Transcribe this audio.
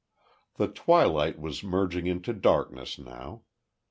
The twilight was merging into darkness now.